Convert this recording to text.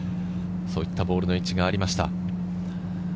そういったボールの位置がありました。